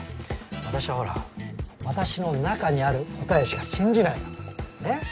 私はほら私の中にある答えしか信じないの。ね？